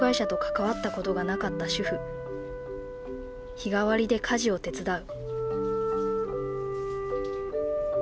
日替わりで家事を手伝う。